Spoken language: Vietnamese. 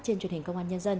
trên truyền hình công an nhé